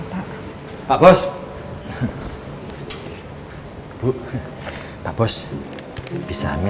mcepaya sama sama jago